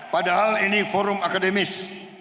padahal ini forum akademis